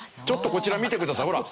ちょっとこちら見てください。